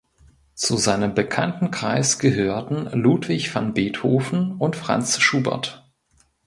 Zu seinem Bekanntenkreis gehörten Ludwig van Beethoven und Franz Schubert.